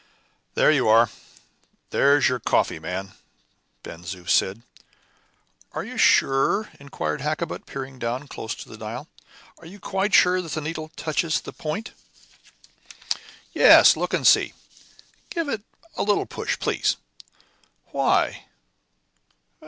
"There you are! There's your coffee, man!" Ben Zoof said. "Are you sure?" inquired Hakkabut, peering down close to the dial. "Are you quite sure that the needle touches the point?" "Yes; look and see." "Give it a little push, please." "Why?"